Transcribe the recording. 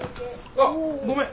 あっごめん！